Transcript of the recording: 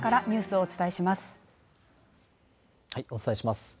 お伝えします。